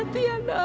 kak ratu berangkat